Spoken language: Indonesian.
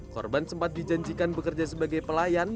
korban sempat dijanjikan bekerja sebagai pelayan